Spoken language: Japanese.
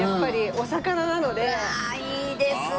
うわいいですね！